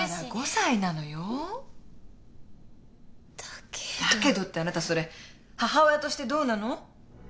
だけどってあなたそれ母親としてどうなの？